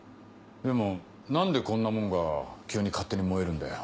でも何でこんなもんが急に勝手に燃えるんだよ。